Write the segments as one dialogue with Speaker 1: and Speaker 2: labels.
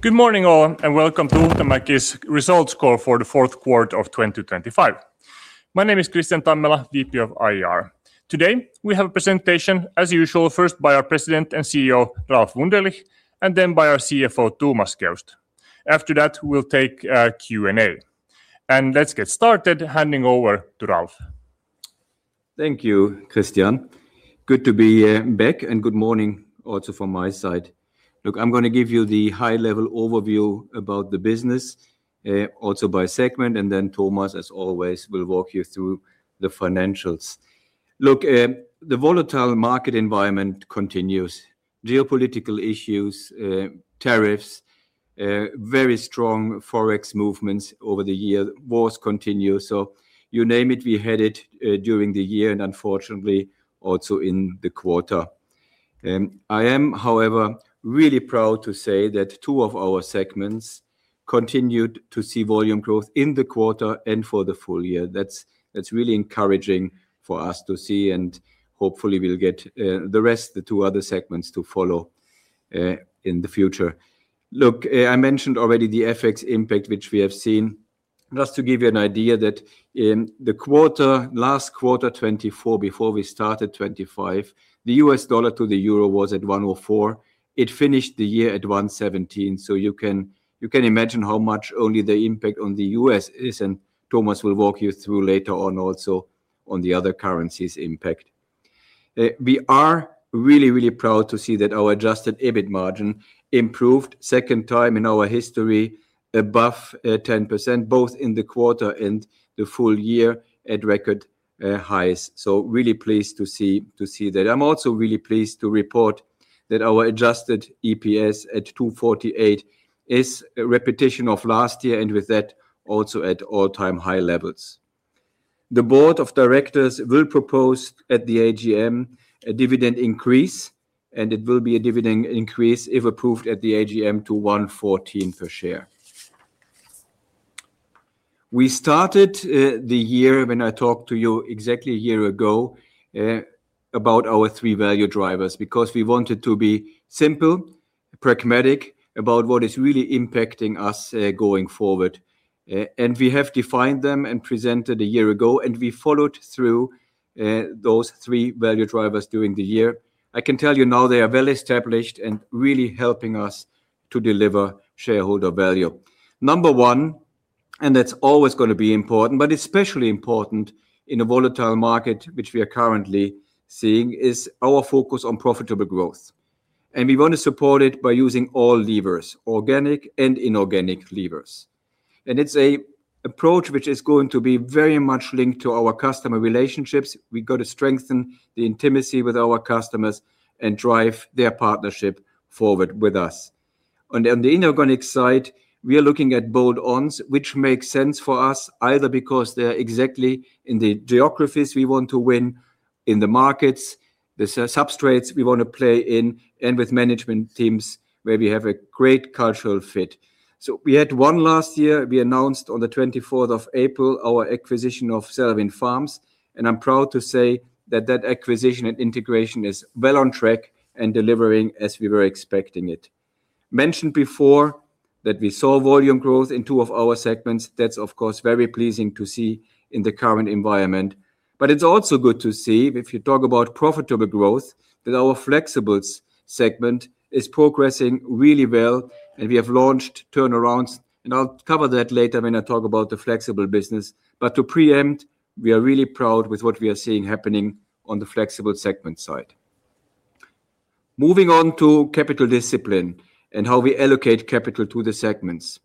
Speaker 1: Good morning, all, and welcome to Huhtamäki's results call for the fourth quarter of 2025. My name is Kristian Tammela, VP of IR. Today, we have a presentation, as usual, first by our President and CEO, Ralf Wunderlich, and then by our CFO, Thomas Geust. After that, we'll take a Q&A. Let's get started, handing over to Ralf.
Speaker 2: Thank you, Kristian. Good to be back, and good morning also from my side. Look, I'm gonna give you the high-level overview about the business also by segment, and then Thomas, as always, will walk you through the financials. Look, the volatile market environment continues. Geopolitical issues, tariffs, very strong Forex movements over the year, wars continue. So you name it, we had it during the year and unfortunately, also in the quarter. I am, however, really proud to say that two of our segments continued to see volume growth in the quarter and for the full year. That's really encouraging for us to see, and hopefully, we'll get the rest, the two other segments to follow in the future. Look, I mentioned already the FX impact, which we have seen. Just to give you an idea that in the quarter, last quarter, 2024, before we started 2025, the U.S. dollar to the euro was at $1.04. It finished the year at $1.17, so you can, you can imagine how much only the impact on the U.S. is, and Thomas will walk you through later on also on the other currencies impact. We are really, really proud to see that our adjusted EBIT margin improved second time in our history, above 10%, both in the quarter and the full year at record highs. So really pleased to see, to see that. I'm also really pleased to report that our adjusted EPS at 2.48 is a repetition of last year, and with that, also at all-time high levels. The Board of Directors will propose at the AGM a dividend increase, and it will be a dividend increase, if approved at the AGM, to 1.14 per share. We started the year when I talked to you exactly a year ago about our three value drivers, because we wanted to be simple, pragmatic about what is really impacting us going forward. And we have defined them and presented a year ago, and we followed through those three value drivers during the year. I can tell you now they are well-established and really helping us to deliver shareholder value. Number one, and that's always gonna be important, but especially important in a volatile market, which we are currently seeing, is our focus on profitable growth, and we want to support it by using all levers, organic and inorganic levers. It's an approach which is going to be very much linked to our customer relationships. We got to strengthen the intimacy with our customers and drive their partnership forward with us. On the inorganic side, we are looking at bolt-ons, which makes sense for us, either because they're exactly in the geographies we want to win, in the markets, the substrates we want to play in, and with management teams where we have a great cultural fit. We had one last year. We announced on the twenty-fourth of April, our acquisition of Zellwin Farms, and I'm proud to say that that acquisition and integration is well on track and delivering as we were expecting it. Mentioned before, that we saw volume growth in two of our segments. That's, of course, very pleasing to see in the current environment. But it's also good to see, if you talk about profitable growth, that our Flexible segment is progressing really well, and we have launched turnarounds, and I'll cover that later when I talk about the Flexible business. But to preempt, we are really proud with what we are seeing happening on the Flexible segment side. Moving on to capital discipline and how we allocate capital to the segments.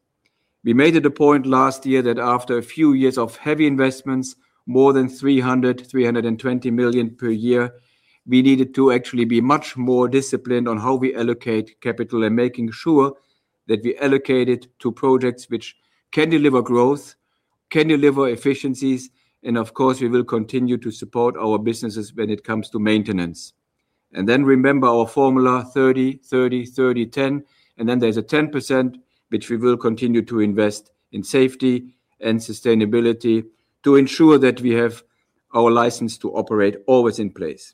Speaker 2: We made it a point last year that after a few years of heavy investments, more than 320 million per year, we needed to actually be much more disciplined on how we allocate capital and making sure that we allocate it to projects which can deliver growth, can deliver efficiencies, and of course, we will continue to support our businesses when it comes to maintenance. And then remember our formula, 30%, 30%, 30%, 10%, and then there's a 10%, which we will continue to invest in safety and sustainability to ensure that we have our license to operate always in place.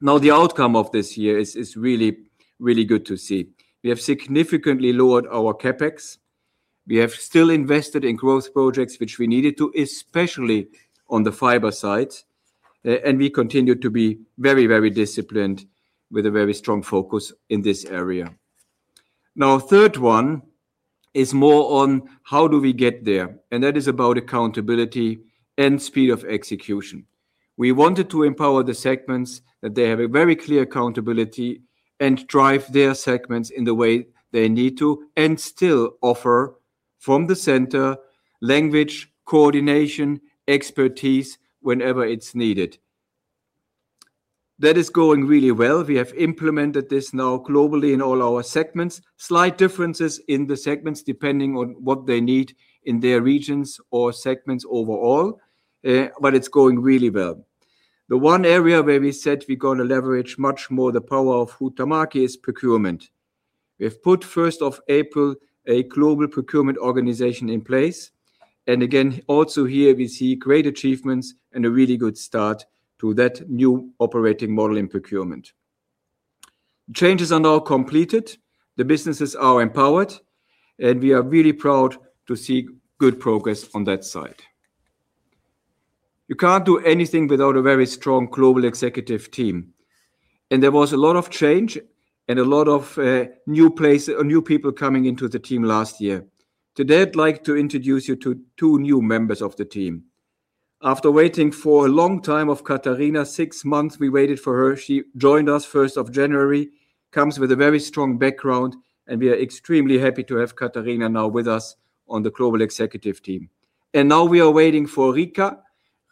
Speaker 2: Now, the outcome of this year is really, really good to see. We have significantly lowered our CapEx. We have still invested in growth projects, which we needed to, especially on the Fiber side, and we continue to be very, very disciplined with a very strong focus in this area. Now, third one is more on how do we get there, and that is about accountability and speed of execution. We wanted to empower the segments, that they have a very clear accountability and drive their segments in the way they need to, and still offer from the center, language, coordination, expertise, whenever it's needed. That is going really well. We have implemented this now globally in all our segments. Slight differences in the segments, depending on what they need in their regions or segments overall, but it's going really well. The one area where we said we're gonna leverage much more the power of Huhtamäki is procurement. We have put, first of April, a global procurement organization in place. And again, also here we see great achievements and a really good start to that new operating model in procurement. Changes are now completed, the businesses are empowered, and we are really proud to see good progress on that side. You can't do anything without a very strong global executive team, and there was a lot of change and a lot of new people coming into the team last year. Today, I'd like to introduce you to two new members of the team. After waiting for a long time for Katariina, six months we waited for her, she joined us first of January. Comes with a very strong background, and we are extremely happy to have Katariina now with us on the global executive team. And now we are waiting for Riikka.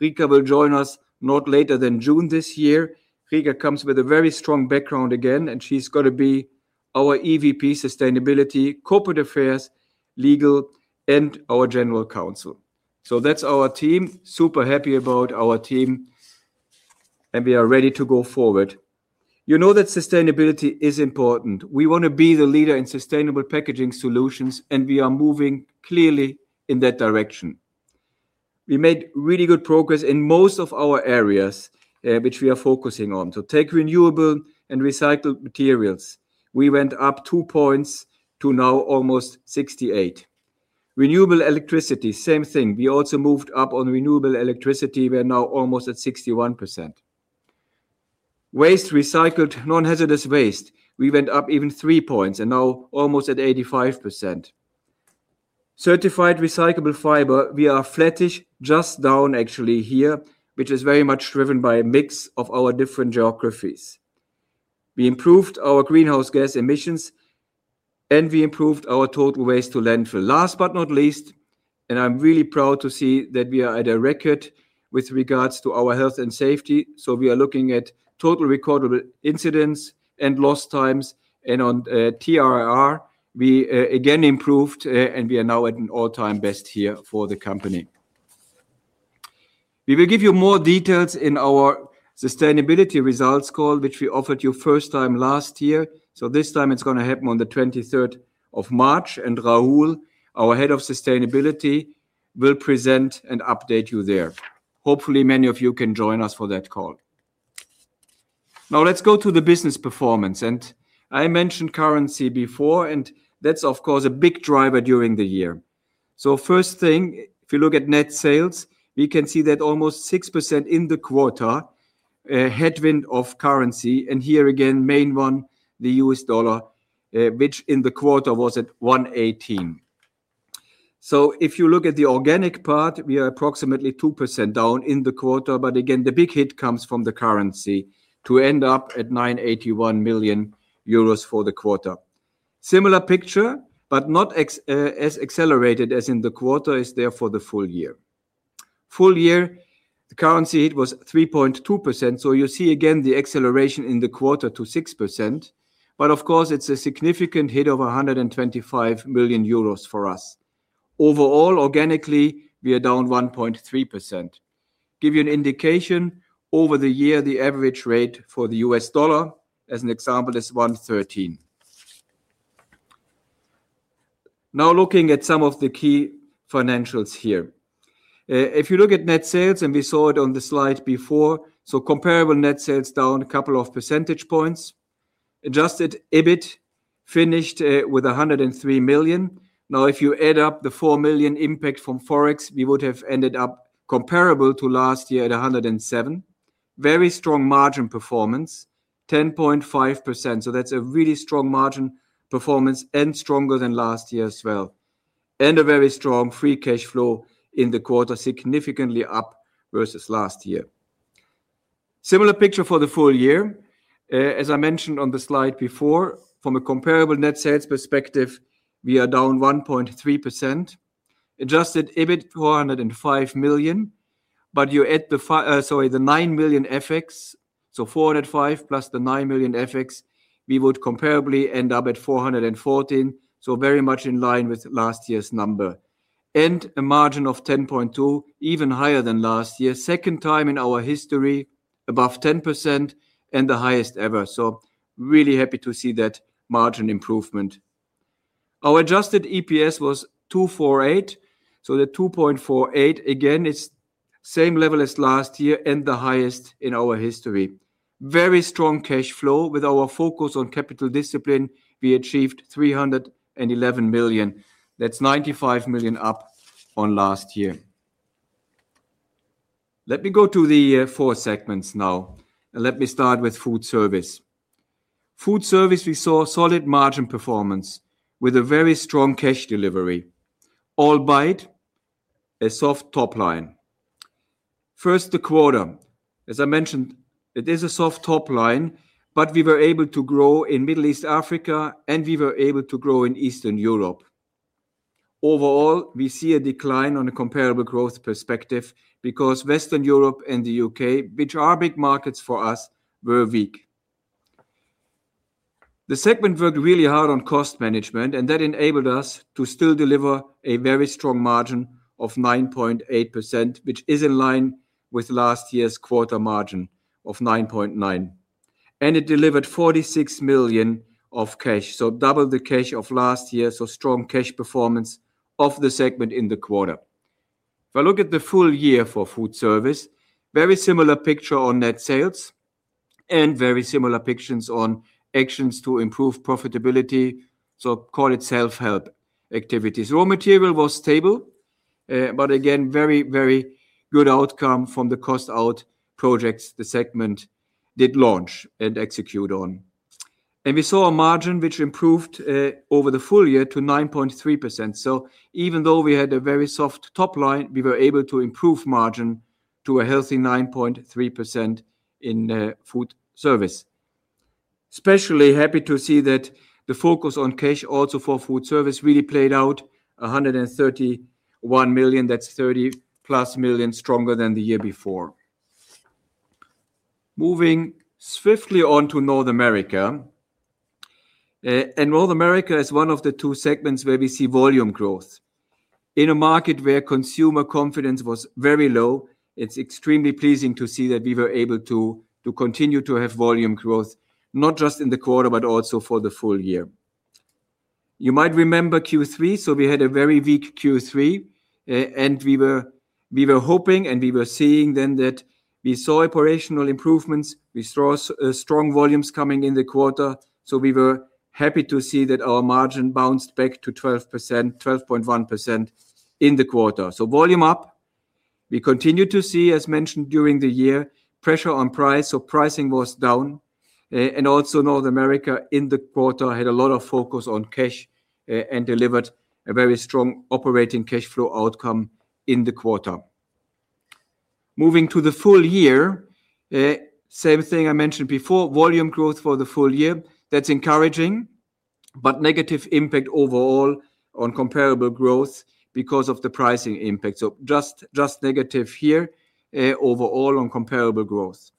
Speaker 2: Riikka will join us not later than June this year. Riikka comes with a very strong background again, and she's gonna be our EVP, Sustainability, Corporate Affairs, Legal, and our General Counsel. So that's our team. Super happy about our team, and we are ready to go forward. You know that sustainability is important. We wanna be the leader in sustainable packaging solutions, and we are moving clearly in that direction. We made really good progress in most of our areas, which we are focusing on. So take renewable and recycled materials. We went up two points to now almost 68%. Renewable Electricity, same thing. We also moved up on Renewable Electricity. We are now almost at 61%. Waste recycled, Non-Hazardous Waste, we went up even three points and now almost at 85%. Certified recyclable fiber, we are flattish, just down actually here, which is very much driven by a mix of our different geographies. We improved our greenhouse gas emissions, and we improved our total waste to landfill. Last but not least, and I'm really proud to see that we are at a record with regards to our health and safety, so we are looking at total recordable incidents and lost times, and on TRIR, we again improved, and we are now at an all-time best here for the company. We will give you more details in our sustainability results call, which we offered you first time last year. So this time it's gonna happen on the 23rd of March, and Rahul, our Head of Sustainability, will present and update you there. Hopefully, many of you can join us for that call. Now, let's go to the business performance, and I mentioned currency before, and that's, of course, a big driver during the year. So first thing, if you look at net sales, we can see that almost 6% in the quarter, a headwind of currency, and here again, main one, the U.S. dollar, which in the quarter was at $1.18. So if you look at the organic part, we are approximately 2% down in the quarter, but again, the big hit comes from the currency to end up at 981 million euros for the quarter. Similar picture, but not exactly as accelerated as in the quarter, is there for the full year. Full year, the currency, it was 3.2%, so you see again the acceleration in the quarter to 6%. But of course, it's a significant hit of 125 million euros for us. Overall, organically, we are down 1.3%. Give you an indication, over the year, the average rate for the U.S. dollar, as an example, is $1.13. Now, looking at some of the key financials here. If you look at net sales, and we saw it on the slide before, so comparable net sales down a couple of percentage points. Adjusted EBIT finished with 103 million. Now, if you add up the 4 million impact from FX, we would have ended up comparable to last year at 107 million. Very strong margin performance, 10.5%. So that's a really strong margin performance and stronger than last year as well. A very strong free cash flow in the quarter, significantly up versus last year. Similar picture for the full year. As I mentioned on the slide before, from a comparable net sales perspective, we are down 1.3%. Adjusted EBIT, 405 million, but you add the 9 million FX, so 405 million + 9 million FX, we would comparably end up at 414 million, so very much in line with last year's number. And a margin of 10.2%, even higher than last year. Second time in our history, above 10% and the highest ever. So really happy to see that margin improvement. Our adjusted EPS was 2.48, so the 2.48, again, is same level as last year and the highest in our history. Very strong cash flow. With our focus on capital discipline, we achieved 311 million. That's 95 million up on last year. Let me go to the four segments now, and let me start with Foodservice. Foodservice, we saw solid margin performance with a very strong cash delivery, albeit a soft top line. First, the quarter. As I mentioned, it is a soft top line, but we were able to grow in Middle East Africa, and we were able to grow in Eastern Europe. Overall, we see a decline on a comparable growth perspective because Western Europe and the U.K., which are big markets for us, were weak. The segment worked really hard on cost management, and that enabled us to still deliver a very strong margin of 9.8%, which is in line with last year's quarter margin of 9.9%. And it delivered 46 million of cash, so double the cash of last year. So strong cash performance of the segment in the quarter. If I look at the full year for Foodservice, very similar picture on net sales and very similar pictures on actions to improve profitability, so call it self-help activities. Raw material was stable, but again, very, very good outcome from the cost-out projects the segment did launch and execute on. And we saw a margin which improved over the full year to 9.3%. So even though we had a very soft top line, we were able to improve margin to a healthy 9.3% in Foodservice. Especially happy to see that the focus on cash also for Foodservice really played out 131 million. That's 30+ million stronger than the year before. Moving swiftly on to North America. And North America is one of the two segments where we see volume growth. In a market where consumer confidence was very low, it's extremely pleasing to see that we were able to continue to have volume growth, not just in the quarter, but also for the full year. You might remember Q3, so we had a very weak Q3. We were hoping and we were seeing then that we saw operational improvements. We saw strong volumes coming in the quarter, so we were happy to see that our margin bounced back to 12%, 12.1% in the quarter. Volume up. We continued to see, as mentioned during the year, pressure on price, so pricing was down. Also North America in the quarter had a lot of focus on cash and delivered a very strong operating cash flow outcome in the quarter. Moving to the full year, same thing I mentioned before, volume growth for the full year, that's encouraging, but negative impact overall on comparable growth because of the pricing impact. So just, just negative here, overall on comparable growth.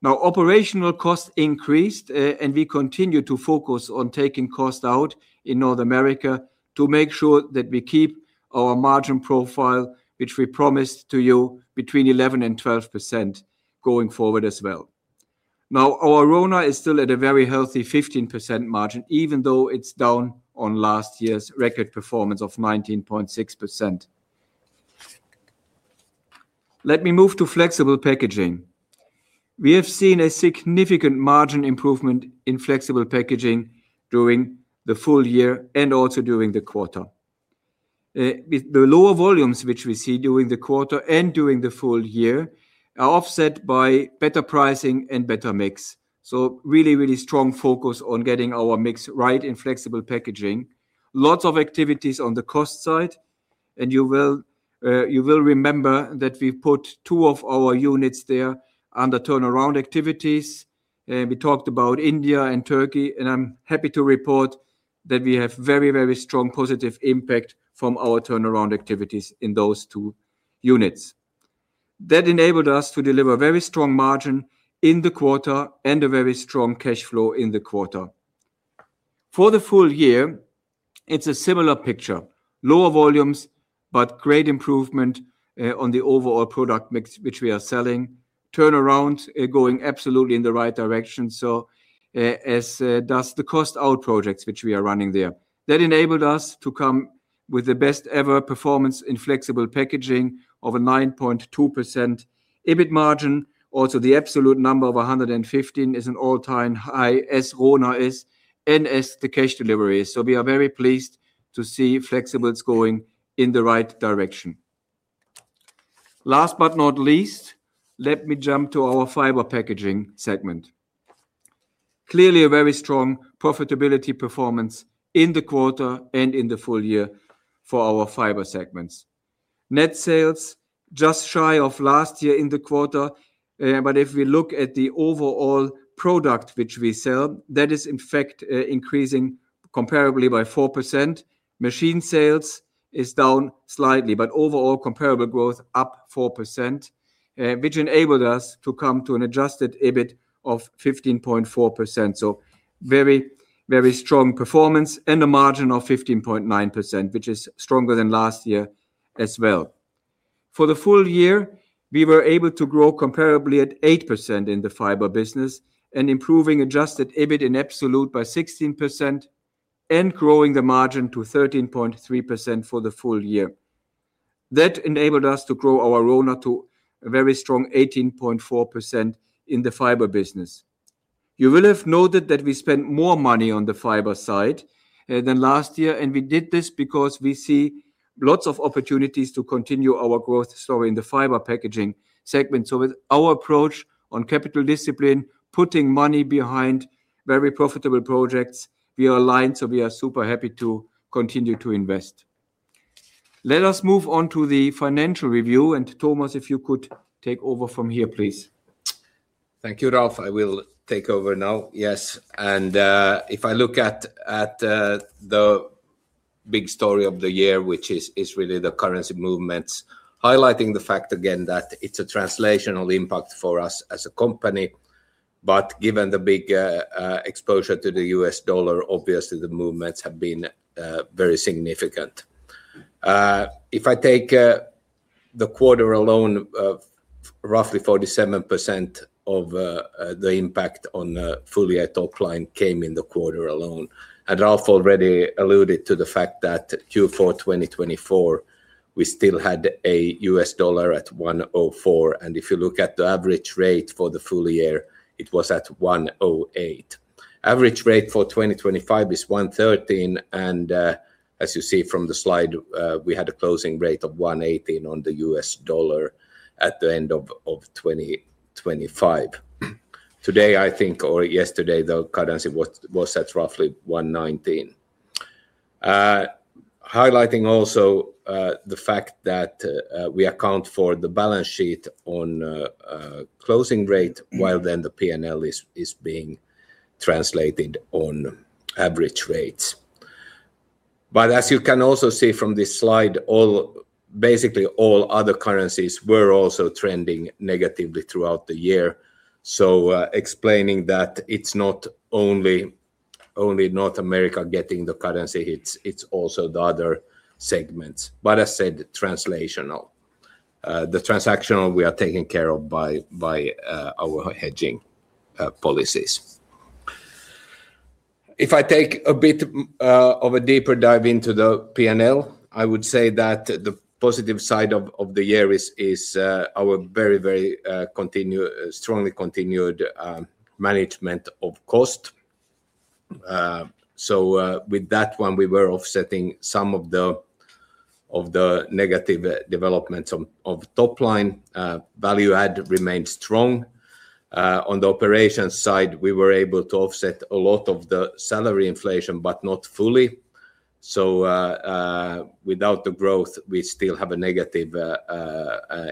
Speaker 2: Now, operational costs increased, and we continue to focus on taking costs out in North America to make sure that we keep our margin profile, which we promised to you between 11% and 12%, going forward as well. Now, our RONA is still at a very healthy 15% margin, even though it's down on last year's record performance of 19.6%. Let me move to Flexible Packaging. We have seen a significant margin improvement in Flexible Packaging during the full year and also during the quarter. The lower volumes, which we see during the quarter and during the full year, are offset by better pricing and better mix, so really, really strong focus on getting our mix right in Flexible Packaging. Lots of activities on the cost side, and you will remember that we put two of our units there under turnaround activities. We talked about India and Turkey, and I'm happy to report that we have very, very strong positive impact from our turnaround activities in those two units. That enabled us to deliver very strong margin in the quarter and a very strong cash flow in the quarter. For the full year, it's a similar picture: lower volumes, but great improvement on the overall product mix, which we are selling. Turnaround going absolutely in the right direction, so as does the cost-out projects which we are running there. That enabled us to come with the best-ever performance in Flexible Packaging of a 9.2% EBIT margin. Also, the absolute number of 115 is an all-time high, as RONA is, and as the cash delivery is. So we are very pleased to see Flexibles going in the right direction. Last but not least, let me jump to our Fiber Packaging segment. Clearly, a very strong profitability performance in the quarter and in the full year for our Fiber segments. Net sales just shy of last year in the quarter, but if we look at the overall product which we sell, that is in fact increasing comparably by 4%. Machine sales is down slightly, but overall, comparable growth up 4%, which enabled us to come to an adjusted EBIT of 15.4%. So very, very strong performance and a margin of 15.9%, which is stronger than last year as well. For the full year, we were able to grow comparably at 8% in the Fiber business and improving adjusted EBIT in absolute by 16% and growing the margin to 13.3% for the full year. That enabled us to grow our RONA to a very strong 18.4% in the Fiber business. You will have noted that we spent more money on the Fiber side than last year, and we did this because we see lots of opportunities to continue our growth story in the Fiber Packaging segment. So with our approach on capital discipline, putting money behind very profitable projects, we are aligned, so we are super happy to continue to invest. Let us move on to the financial review. Thomas, if you could take over from here, please.
Speaker 3: Thank you, Ralf. I will take over now. Yes, and if I look at the big story of the year, which is really the currency movements, highlighting the fact again that it's a translational impact for us as a company. But given the big exposure to the US dollar, obviously the movements have been very significant. If I take the quarter alone, roughly 47% of the impact on full-year top line came in the quarter alone. And Ralf already alluded to the fact that Q4 2024, we still had a U.S. dollar at $1.04, and if you look at the average rate for the full year, it was at $1.08. Average rate for 2025 is $1.13, and, as you see from the slide, we had a closing rate of $1.18 on the U.S. dollar at the end of 2025. Today, I think, or yesterday, the currency was at roughly $1.19. Highlighting also the fact that we account for the balance sheet on closing rate, while then the P&L is being translated on average rates. But as you can also see from this slide, basically all other currencies were also trending negatively throughout the year. So, explaining that it's not only North America getting the currency hits, it's also the other segments. But as said, translational. The transactional, we are taking care of by our hedging policies. If I take a bit of a deeper dive into the P&L, I would say that the positive side of the year is our very, very strongly continued management of cost. So, with that one, we were offsetting some of the negative developments of top line. Value add remained strong. On the operations side, we were able to offset a lot of the salary inflation, but not fully. So, without the growth, we still have a negative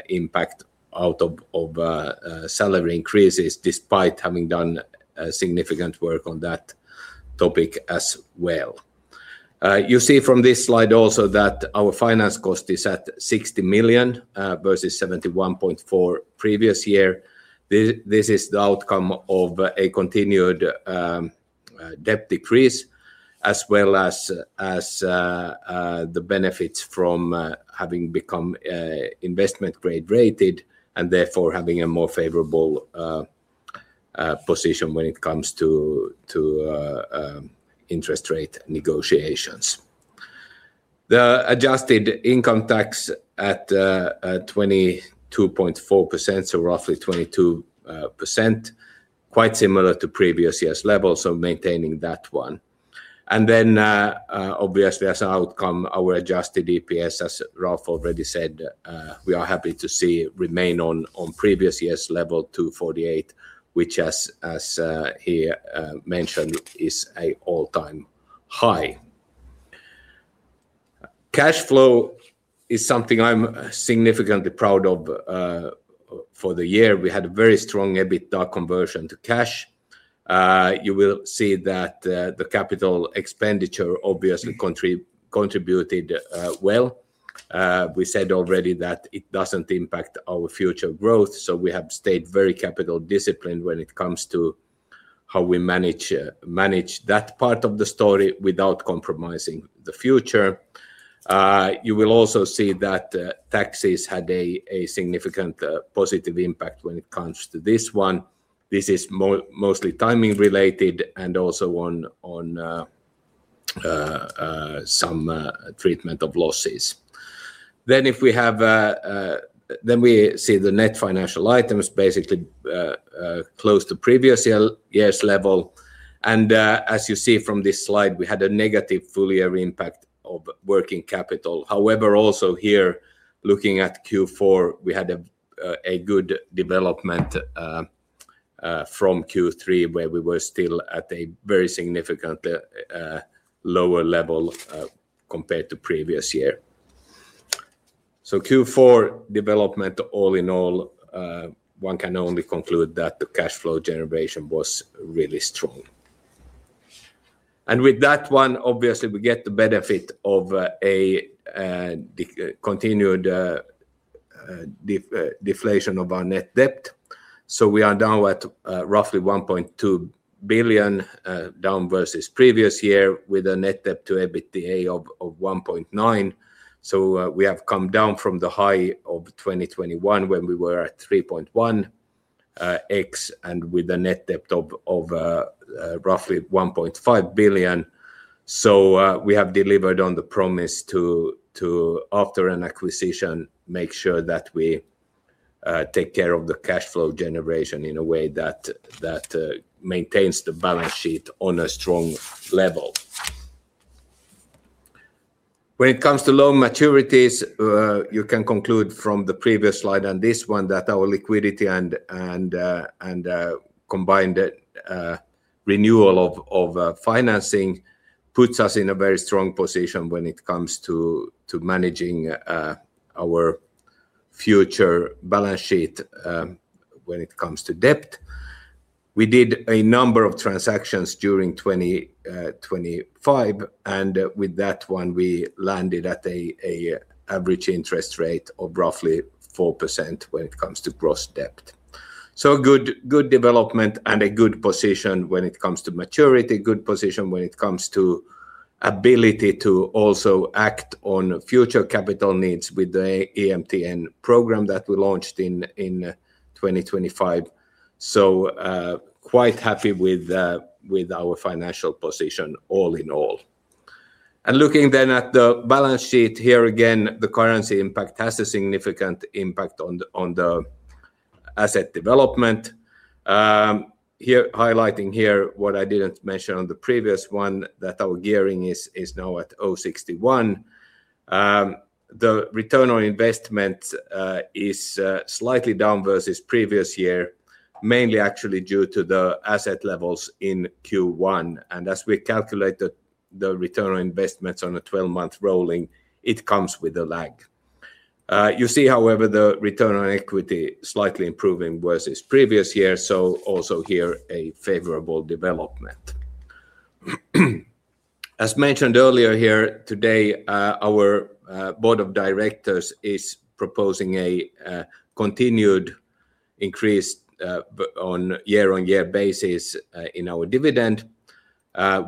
Speaker 3: impact out of salary increases, despite having done significant work on that topic as well. You see from this slide also that our finance cost is at 60 million versus 71.4 million previous year. This is the outcome of a continued debt decrease, as well as the benefits from having become investment grade rated, and therefore having a more favorable position when it comes to interest rate negotiations. The adjusted income tax at 22.4%, so roughly 22%, quite similar to previous year's level, so maintaining that one. Then, obviously as an outcome, our adjusted EPS, as Ralf already said, we are happy to see remain on previous year's level, 2.48, which as he mentioned, is an all-time high. Cash flow is something I'm significantly proud of for the year. We had a very strong EBITDA conversion to cash. You will see that the capital expenditure obviously contributed well. We said already that it doesn't impact our future growth, so we have stayed very capital disciplined when it comes to how we manage that part of the story without compromising the future. You will also see that taxes had a significant positive impact when it comes to this one. This is mostly timing related and also on some treatment of losses. Then we see the net financial items basically close to previous year's level. And as you see from this slide, we had a negative full-year impact of working capital. However, also here, looking at Q4, we had a good development from Q3, where we were still at a very significantly lower level compared to previous year. So Q4 development, all in all, one can only conclude that the cash flow generation was really strong. And with that one, obviously, we get the benefit of a continued deflation of our net debt. So we are now at roughly 1.2 billion, down versus previous year, with a net debt to EBITDA of 1.9x. So we have come down from the high of 2021, when we were at 3.1x, and with a net debt of roughly 1.5 billion. So we have delivered on the promise to, after an acquisition, make sure that we take care of the cash flow generation in a way that maintains the balance sheet on a strong level. When it comes to loan maturities, you can conclude from the previous slide and this one, that our liquidity and combined renewal of financing puts us in a very strong position when it comes to managing our future balance sheet when it comes to debt. We did a number of transactions during 2025, and with that one, we landed at an average interest rate of roughly 4% when it comes to gross debt. So good development and a good position when it comes to maturity, good position when it comes to ability to also act on future capital needs with the EMTN program that we launched in 2025. So, quite happy with our financial position all in all. Looking then at the balance sheet, here again, the currency impact has a significant impact on the, on the asset development. Here, highlighting here, what I didn't mention on the previous one, that our gearing is, is now at 0.61. The return on investment is slightly down versus previous year, mainly actually due to the asset levels in Q1. And as we calculate the, the return on investments on a 12-month rolling, it comes with a lag. You see, however, the return on equity slightly improving versus previous year, so also here a favorable development. As mentioned earlier here today, our board of directors is proposing a continued increase on year-on-year basis in our dividend.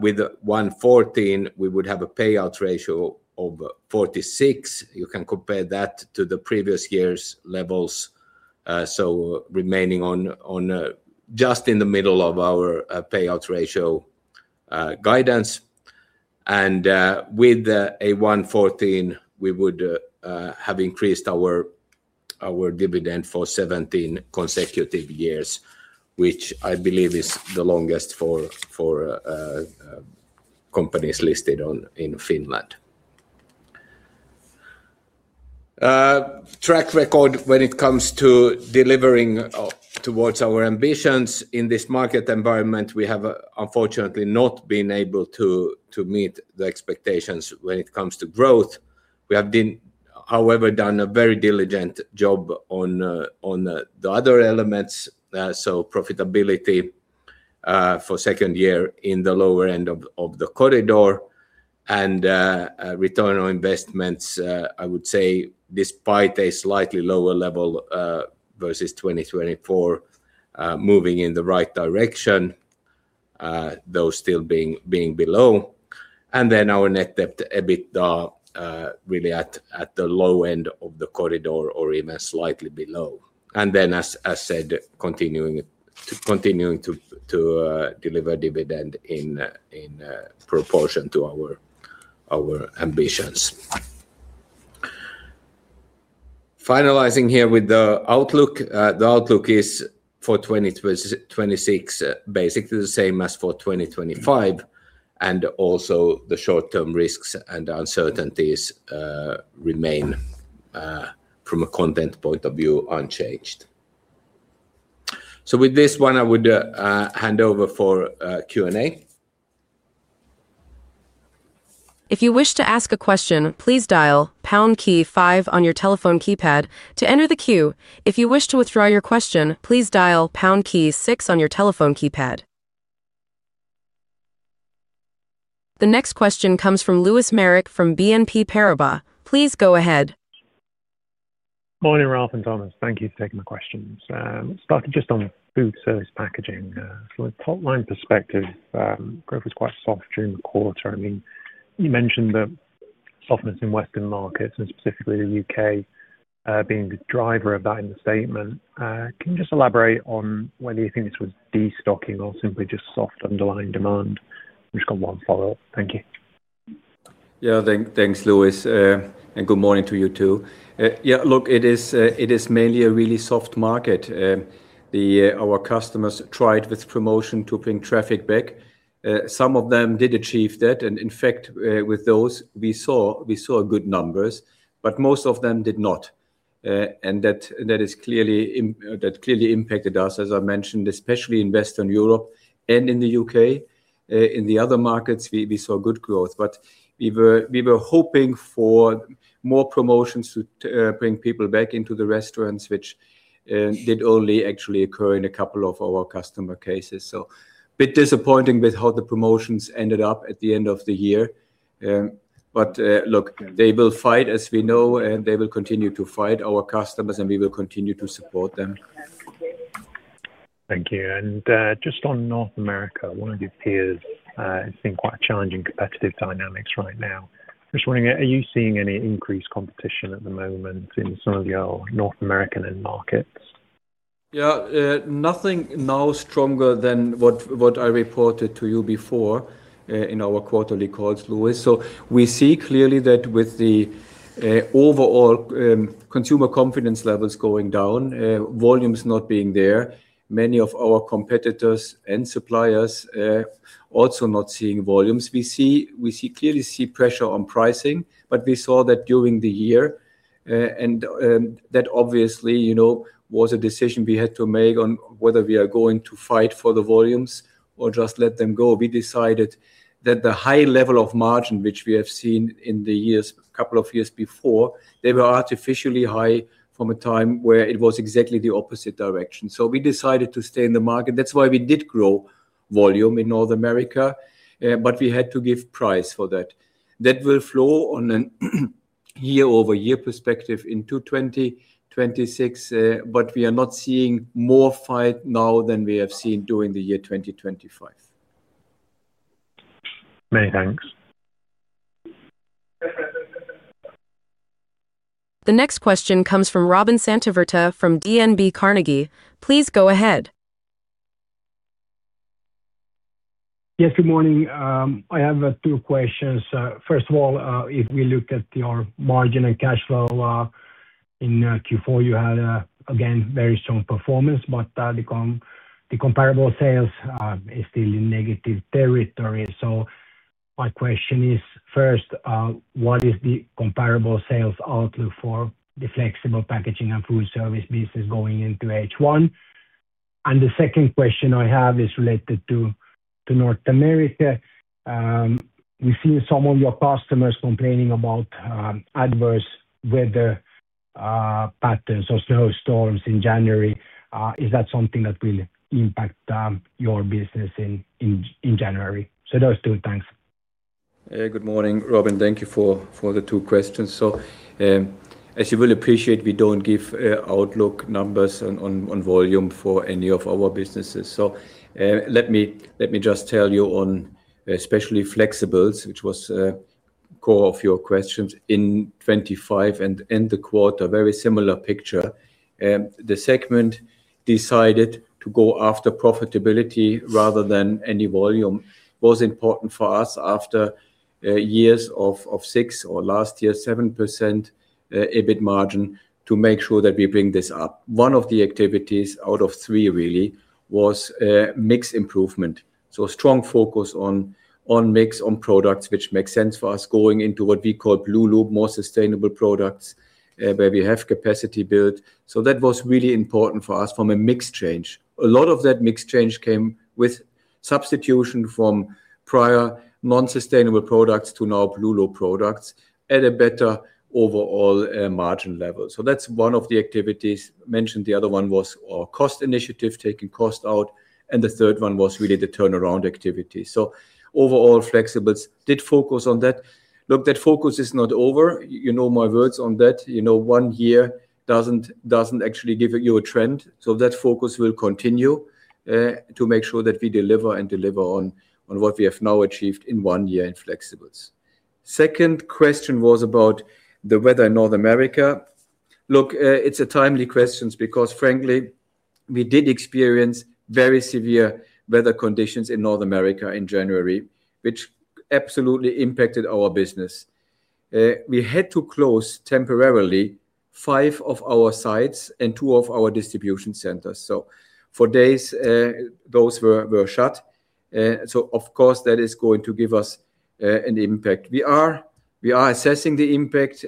Speaker 3: With 1.14, we would have a payout ratio of 46%. You can compare that to the previous year's levels. So, remaining on just in the middle of our payout ratio guidance. With a 1.14, we would have increased our dividend for 17 consecutive years, which I believe is the longest for companies listed on in Finland. Track record when it comes to delivering towards our ambitions in this market environment, we have unfortunately not been able to meet the expectations when it comes to growth. We have been, however, done a very diligent job on the other elements. So profitability for second year in the lower end of the corridor and return on investments, I would say despite a slightly lower level versus 2024, moving in the right direction, though still being below. Then our net debt, EBITDA, really at the low end of the corridor or even slightly below. Then, as said, continuing to deliver dividend in proportion to our ambitions. Finalizing here with the outlook. The outlook is for 2026, basically the same as for 2025, and also the short-term risks and uncertainties remain, from a content point of view, unchanged. So with this one, I would hand over for Q&A.
Speaker 4: If you wish to ask a question, please dial pound key five on your telephone keypad to enter the queue. If you wish to withdraw your question, please dial pound key six on your telephone keypad. The next question comes from Lewis Merrick from BNP Paribas. Please go ahead.
Speaker 5: Morning, Ralf and Thomas. Thank you for taking my questions. Starting just on Foodservice packaging. From a top-line perspective, growth was quite soft during the quarter. I mean, you mentioned the softness in Western markets, and specifically the U.K., being the driver of that in the statement. Can you just elaborate on whether you think this was destocking or simply just soft underlying demand? Just got one follow-up. Thank you.
Speaker 3: Yeah, thanks, Lewis, and good morning to you, too. Yeah, look, it is mainly a really soft market. Our customers tried with promotion to bring traffic back. Some of them did achieve that, and in fact, with those, we saw good numbers, but most of them did not. And that clearly impacted us, as I mentioned, especially in Western Europe and in the U.K. In the other markets, we saw good growth, but we were hoping for more promotions to bring people back into the restaurants, which did only actually occur in a couple of our customer cases. So bit disappointing with how the promotions ended up at the end of the year. But, look, they will fight, as we know, and they will continue to fight our customers, and we will continue to support them.
Speaker 5: Thank you. Just on North America, one of your peers has been quite challenging competitive dynamics right now. Just wondering, are you seeing any increased competition at the moment in some of your North American end markets?
Speaker 3: Yeah, nothing now stronger than what I reported to you before in our quarterly calls, Lewis. So we see clearly that with the overall consumer confidence levels going down, volumes not being there, many of our competitors and suppliers also not seeing volumes. We clearly see pressure on pricing, but we saw that during the year, and that obviously, you know, was a decision we had to make on whether we are going to fight for the volumes or just let them go. We decided that the high level of margin, which we have seen in the years, couple of years before, they were artificially high from a time where it was exactly the opposite direction. So we decided to stay in the market. That's why we did grow volume in North America, but we had to give price for that. That will flow on an year-over-year perspective into 2026, but we are not seeing more fight now than we have seen during the year 2025.
Speaker 5: Many thanks.
Speaker 4: The next question comes from Robin Santavirta from DNB Carnegie. Please go ahead.
Speaker 6: Yes, good morning. I have two questions. First of all, if we look at your margin and cash flow in Q4, you had again very strong performance, but the comparable sales is still in negative territory. So my question is, first, what is the comparable sales outlook for the Flexible Packaging and Foodservice business going into H1? And the second question I have is related to North America. We've seen some of your customers complaining about adverse weather patterns or snowstorms in January. Is that something that will impact your business in January? So those two. Thanks.
Speaker 2: Good morning, Robin. Thank you for the two questions. So, as you will appreciate, we don't give outlook numbers on volume for any of our businesses. So, let me just tell you on, especially Flexibles, which was core of your questions in 2025 and end the quarter, very similar picture. The segment decided to go after profitability rather than any volume. Was important for us after years of six or last year, 7% EBIT margin, to make sure that we bring this up. One of the activities out of three really was mix improvement. So strong focus on mix, on products, which makes sense for us going into what we call Blue Loop, more sustainable products, where we have capacity built. So that was really important for us from a mix change. A lot of that mix change came with substitution from prior non-sustainable products to now blueloop products at a better overall margin level. So that's one of the activities mentioned. The other one was our cost initiative, taking cost out, and the third one was really the turnaround activity. So overall, Flexibles did focus on that. Look, that focus is not over. You know my words on that. You know, one year doesn't, doesn't actually give you a trend, so that focus will continue to make sure that we deliver and deliver on, on what we have now achieved in one year in Flexibles. Second question was about the weather in North America. Look, it's a timely question because, frankly, we did experience very severe weather conditions in North America in January, which absolutely impacted our business. We had to close temporarily five of our sites and two of our distribution centers. For days, those were shut. Of course, that is going to give us an impact. We are assessing the impact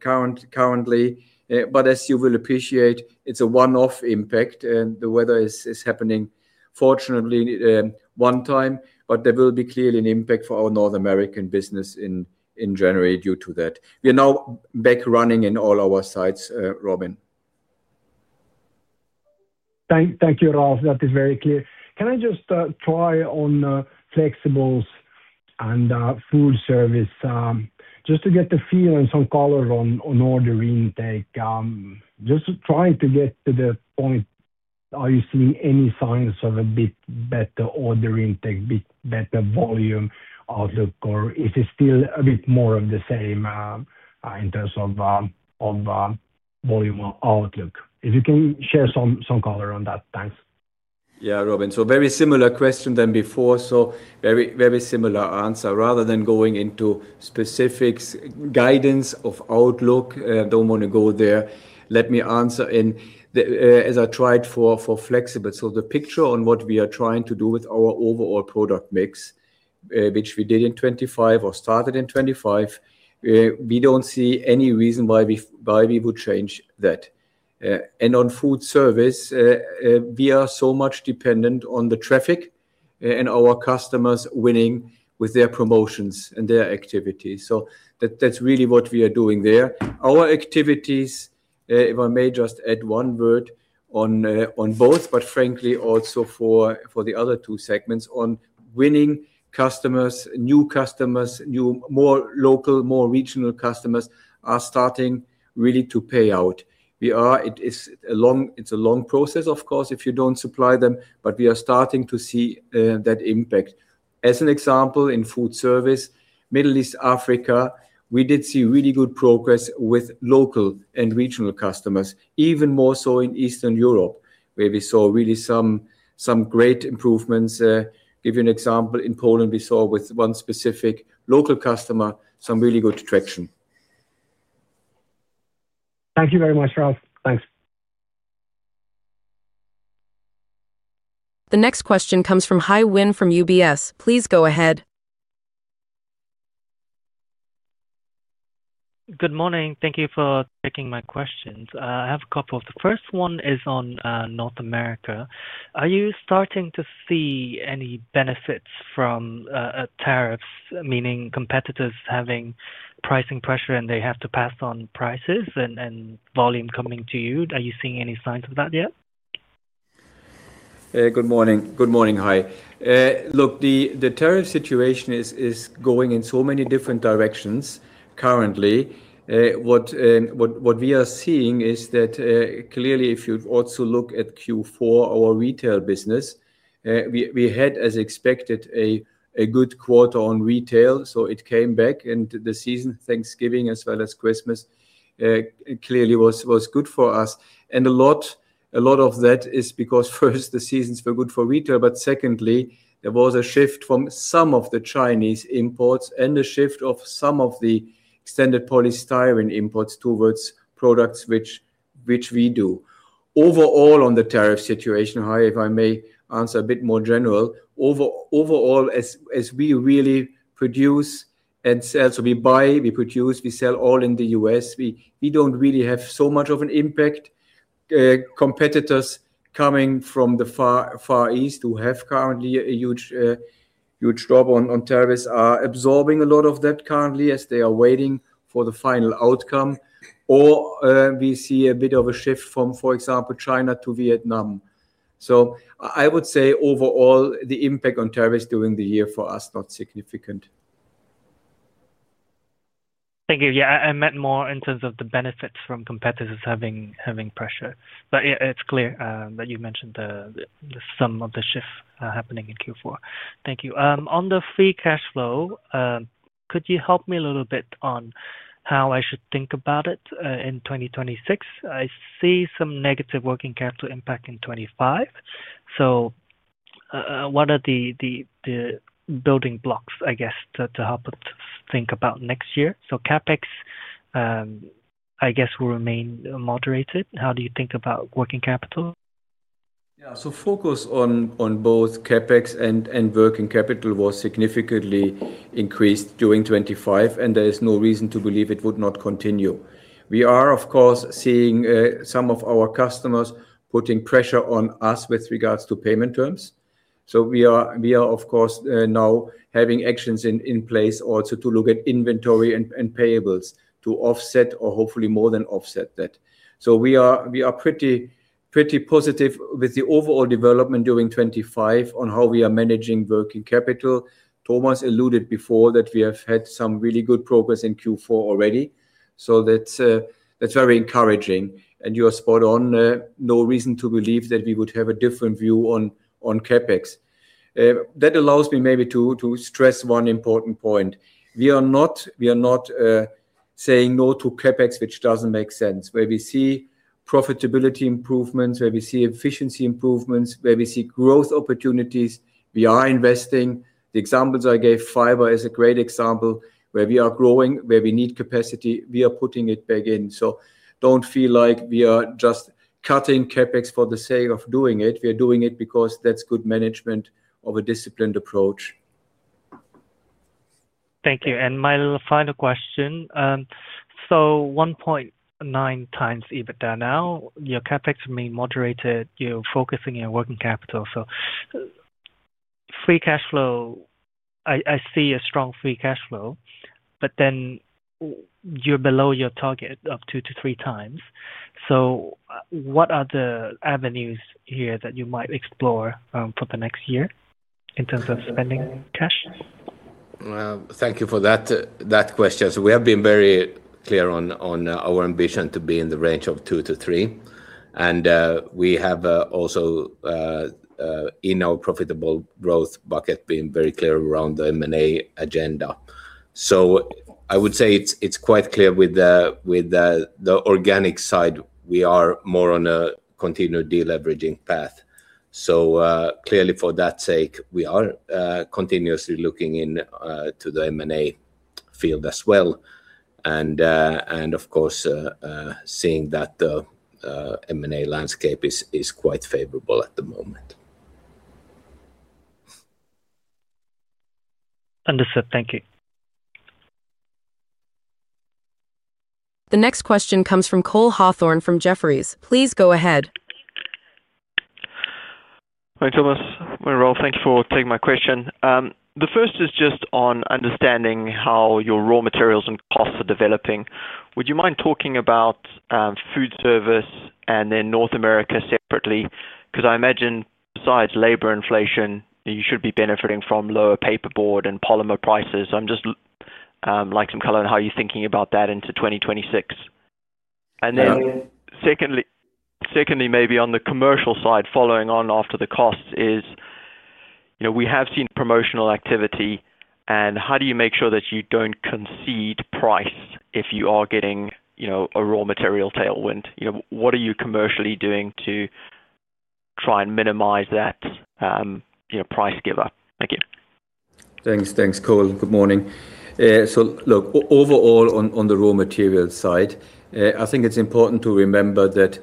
Speaker 2: currently, but as you will appreciate, it's a one-off impact. The weather is happening fortunately one time, but there will be clearly an impact for our North American business in January due to that. We are now back running in all our sites, Robin.
Speaker 6: Thank, thank you, Ralf. That is very clear. Can I just try on Flexibles and Foodservice just to get a feel and some color on order intake? Just trying to get to the point, are you seeing any signs of a bit better order intake, bit better volume outlook, or is it still a bit more of the same in terms of volume outlook? If you can share some color on that. Thanks.
Speaker 2: Yeah, Robin. So very similar question than before, so very, very similar answer. Rather than going into specifics, guidance of outlook, don't want to go there. Let me answer in the, as I tried for, for Flexibles. So the picture on what we are trying to do with our overall product mix, which we did in 2025 or started in 2025, we don't see any reason why we, why we would change that. And on Foodservice, we are so much dependent on the traffic, and our customers winning with their promotions and their activities. So that's really what we are doing there. Our activities, if I may just add one word on, on both, but frankly also for, for the other two segments on winning customers, new customers, new, more local, more regional customers are starting really to pay out. It is a long process, of course, if you don't supply them, but we are starting to see that impact. As an example, in Foodservice, Middle East Africa, we did see really good progress with local and regional customers. Even more so in Eastern Europe, where we saw really some great improvements. Give you an example, in Poland, we saw with one specific local customer, some really good traction.
Speaker 6: Thank you very much, Ralf. Thanks.
Speaker 4: The next question comes from Hai Huynh from UBS. Please go ahead.
Speaker 7: Good morning. Thank you for taking my questions. I have a couple. The first one is on North America. Are you starting to see any benefits from tariffs, meaning competitors having pricing pressure and they have to pass on prices and volume coming to you? Are you seeing any signs of that yet?
Speaker 2: Good morning. Good morning, Hai. Look, the tariff situation is going in so many different directions currently. What we are seeing is that, clearly, if you also look at Q4, our retail business, we had, as expected, a good quarter on retail, so it came back into the season. Thanksgiving as well as Christmas, clearly was good for us. And a lot of that is because, first, the seasons were good for retail, but secondly, there was a shift from some of the Chinese imports and a shift of some of the expanded polystyrene imports towards products which we do. Overall, on the tariff situation, Hai, if I may answer a bit more general, overall, as we really produce and sell... So we buy, we produce, we sell all in the U.S., we don't really have so much of an impact. Competitors coming from the Far East, who have currently a huge drop on tariffs, are absorbing a lot of that currently as they are waiting for the final outcome. Or, we see a bit of a shift from, for example, China to Vietnam. So I would say overall, the impact on tariffs during the year for us, not significant.
Speaker 7: Thank you. Yeah, I meant more in terms of the benefits from competitors having pressure. But, yeah, it's clear that you mentioned some of the shifts happening in Q4. Thank you. On the free cash flow, could you help me a little bit on how I should think about it in 2026? I see some negative working capital impact in 2025. So, what are the building blocks, I guess, to help us think about next year? So CapEx, I guess, will remain moderated. How do you think about working capital?
Speaker 2: Yeah. So focus on both CapEx and working capital was significantly increased during 2025, and there is no reason to believe it would not continue. We are, of course, seeing some of our customers putting pressure on us with regards to payment terms. So we are, of course, now having actions in place also to look at inventory and payables to offset or hopefully more than offset that. So we are pretty positive with the overall development during 2025 on how we are managing working capital. Thomas alluded before that we have had some really good progress in Q4 already, so that's that's very encouraging. And you are spot on, no reason to believe that we would have a different view on CapEx. That allows me maybe to stress one important point. We are not, we are not, saying no to CapEx, which doesn't make sense. Where we see profitability improvements, where we see efficiency improvements, where we see growth opportunities, we are investing. The examples I gave, Fiber is a great example where we are growing, where we need capacity, we are putting it back in. So don't feel like we are just cutting CapEx for the sake of doing it. We are doing it because that's good management of a disciplined approach.
Speaker 7: Thank you. My final question, so 1.9x EBITDA now, your CapEx remain moderated, you're focusing your working capital. So, free cash flow, I see a strong free cash flow, but then you're below your target of 2x-3x. So what are the avenues here that you might explore, for the next year in terms of spending cash?
Speaker 3: Well, thank you for that question. So we have been very clear on our ambition to be in the range of 2x-3x, and we have also in our profitable growth bucket been very clear around the M&A agenda. So I would say it's quite clear with the organic side, we are more on a continued deleveraging path. So clearly, for that sake, we are continuously looking into the M&A field as well, and of course seeing that the M&A landscape is quite favorable at the moment.
Speaker 7: Understood. Thank you.
Speaker 4: The next question comes from Cole Hathorn from Jefferies. Please go ahead.
Speaker 8: Hi, Thomas. Hi, Ralf. Thank you for taking my question. The first is just on understanding how your raw materials and costs are developing. Would you mind talking about, Foodservice and then North America separately? 'Cause I imagine besides labor inflation, you should be benefiting from lower paperboard and polymer prices. I'm just, like some color on how you're thinking about that into 2026.
Speaker 2: Yeah.
Speaker 8: And then secondly, secondly, maybe on the commercial side, following on after the costs is, you know, we have seen promotional activity, and how do you make sure that you don't concede price if you are getting, you know, a raw material tailwind? You know, what are you commercially doing to try and minimize that, you know, price giving? Thank you.
Speaker 2: Thanks. Thanks, Cole. Good morning. So look, overall, on the raw material side, I think it's important to remember that,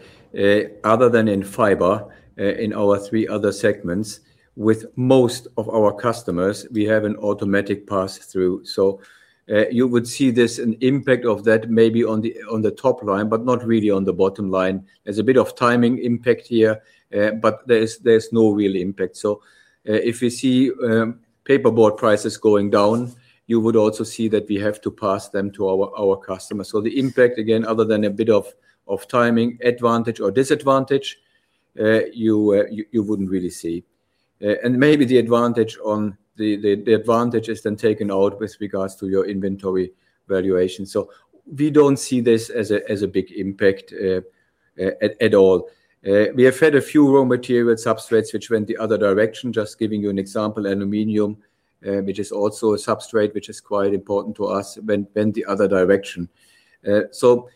Speaker 2: other than in Fiber, in our three other segments, with most of our customers, we have an automatic pass-through. So, you would see there's an impact of that maybe on the top line, but not really on the bottom line. There's a bit of timing impact here, but there's no real impact. So, if you see, paperboard prices going down, you would also see that we have to pass them to our customers. So the impact, again, other than a bit of timing advantage or disadvantage, you wouldn't really see. And maybe the advantage is then taken out with regards to your inventory valuation. So we don't see this as a big impact at all. We have had a few raw material substrates, which went the other direction. Just giving you an example, aluminum, which is also a substrate which is quite important to us, went the other direction. So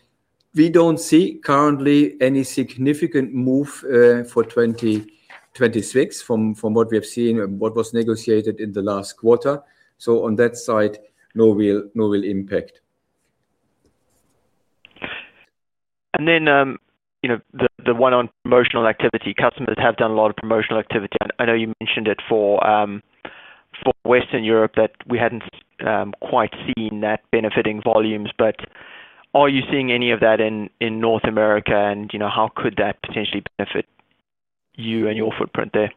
Speaker 2: we don't see currently any significant move for 2026 from what we have seen and what was negotiated in the last quarter. So on that side, no real impact.
Speaker 8: And then, you know, the one on promotional activity. Customers have done a lot of promotional activity, and I know you mentioned it for Western Europe, that we hadn't quite seen that benefiting volumes. But are you seeing any of that in North America? And, you know, how could that potentially benefit you and your footprint there?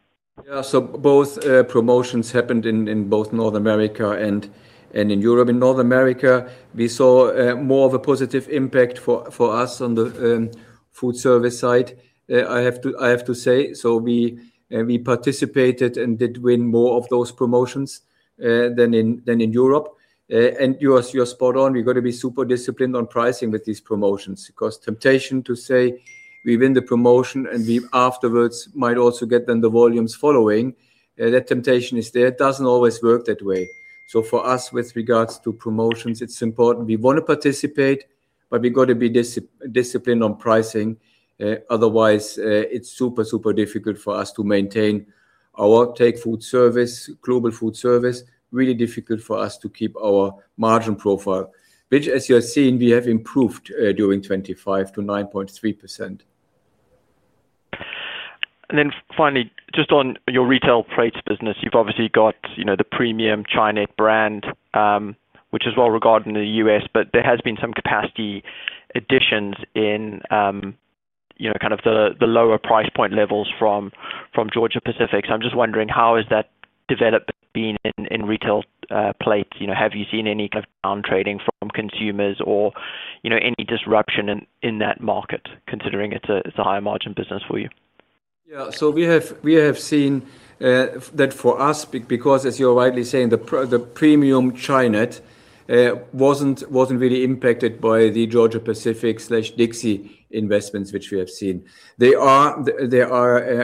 Speaker 2: Yeah. So both promotions happened in both North America and in Europe. In North America, we saw more of a positive impact for us on the Foodservice side. I have to say, so we participated and did win more of those promotions than in Europe. And you are spot on. We've got to be super disciplined on pricing with these promotions, because temptation to say, "We win the promotion, and we afterwards might also get then the volumes following," that temptation is there. It doesn't always work that way. So for us, with regards to promotions, it's important. We want to participate, but we got to be disciplined on pricing. Otherwise, it's super difficult for us to maintain our stake in Foodservice, Global Foodservice. Really difficult for us to keep our margin profile, which, as you have seen, we have improved during 2025 to 9.3%.
Speaker 8: And then finally, just on your retail plates business, you've obviously got, you know, the premium Chinet brand, which is well regarded in the U.S., but there has been some capacity additions in, you know, kind of the, the lower price point levels from, from Georgia-Pacific. So I'm just wondering, how has that development been in, in retail, plates? You know, have you seen any kind of down trading from consumers or, you know, any disruption in, in that market, considering it's a high-margin business for you?
Speaker 2: Yeah. So we have seen that for us, because as you're rightly saying, the premium Chinet wasn't really impacted by the Georgia-Pacific/Dixie investments, which we have seen. They are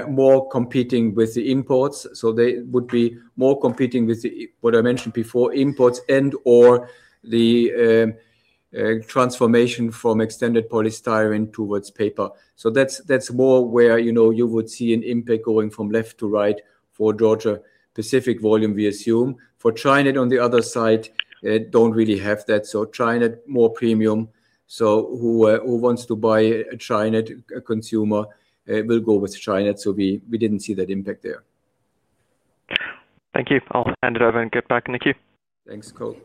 Speaker 2: more competing with the imports, so they would be more competing with the, what I mentioned before, imports and/or the transformation from expanded polystyrene towards paper. So that's more where, you know, you would see an impact going from left to right for Georgia-Pacific volume, we assume. For Chinet on the other side, don't really have that. So Chinet, more premium. So who wants to buy a Chinet consumer will go with Chinet. So we didn't see that impact there.
Speaker 8: Thank you. I'll hand it over and get back in the queue.
Speaker 2: Thanks, Cole.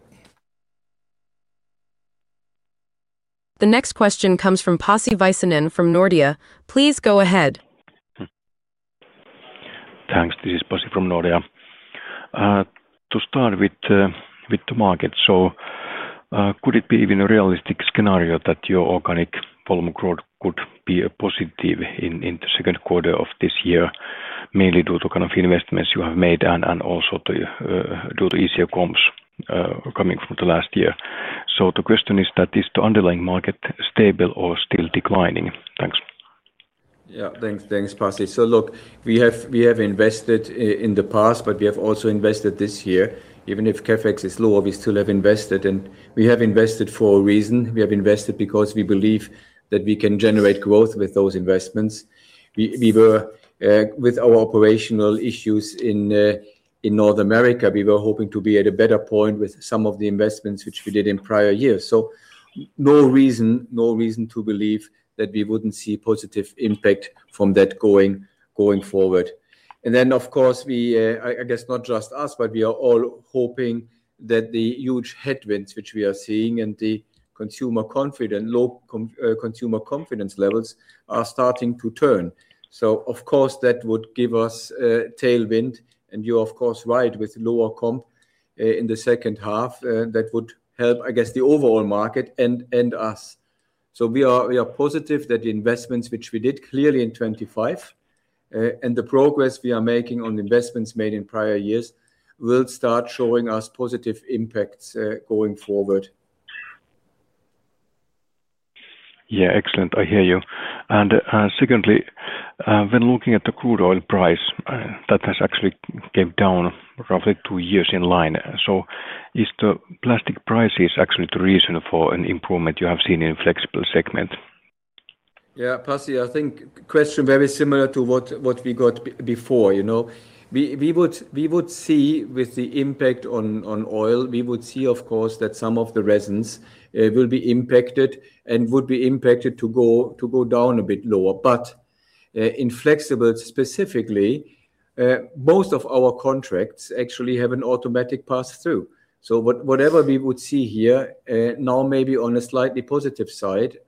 Speaker 4: The next question comes from Pasi Väisänen from Nordea. Please go ahead.
Speaker 9: Thanks. This is Pasi from Nordea. To start with, with the market, so, could it be even a realistic scenario that your organic volume growth could be a positive in, in the second quarter of this year, mainly due to kind of investments you have made and, and also to, due to easier comps, coming from the last year? So the question is that, is the underlying market stable or still declining? Thanks.
Speaker 2: Yeah. Thanks. Thanks, Pasi. So look, we have invested in the past, but we have also invested this year. Even if CapEx is low, we still have invested, and we have invested for a reason. We have invested because we believe that we can generate growth with those investments. We were with our operational issues in North America, we were hoping to be at a better point with some of the investments which we did in prior years. So no reason, no reason to believe that we wouldn't see positive impact from that going forward. And then, of course, I guess not just us, but we are all hoping that the huge headwinds which we are seeing and the consumer confidence, low consumer confidence levels are starting to turn. So of course, that would give us a tailwind, and you're of course right, with lower comp in the second half, that would help, I guess, the overall market and us. So we are positive that the investments which we did clearly in 2025 and the progress we are making on investments made in prior years will start showing us positive impacts going forward.
Speaker 9: Yeah, excellent. I hear you. Secondly, when looking at the crude oil price, that has actually came down roughly two years in line, so is the plastic prices actually the reason for an improvement you have seen in Flexibles segment?
Speaker 2: Yeah, Pasi, I think question very similar to what we got before. You know, we would see with the impact on oil, we would see, of course, that some of the resins will be impacted and would be impacted to go down a bit lower. But in Flexibles specifically, most of our contracts actually have an automatic pass-through. So whatever we would see here, now maybe on a slightly positive side